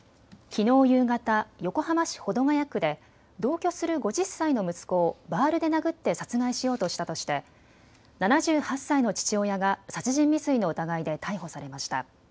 きのう夕方、横浜市保土ケ谷区で同居する５０歳の息子をバールで殴って殺害しようとしたとして７８歳の父親が殺人未遂の疑いで逮捕されました。